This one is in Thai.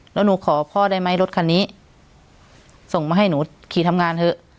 แล้วหนูขอพ่อได้ไหมรถคันนี้ส่งมาให้หนูขี่ทำงานเถอะ